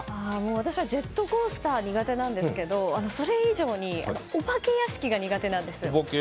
私はジェットコースターが苦手なんですけどそれ以上にお化け屋敷が苦手なんです。